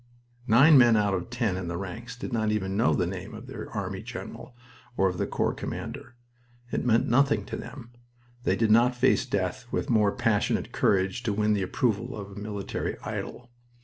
Nine men out of ten in the ranks did not even know the name of their army general or of the corps commander. It meant nothing to them. They did not face death with more passionate courage to win the approval of a military idol.